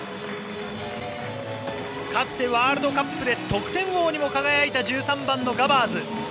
かつてワールドカップで得点王にも輝いた１３番のガバーズ。